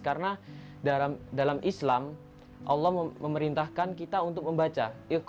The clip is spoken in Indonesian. karena dalam islam allah memerintahkan kita untuk membaca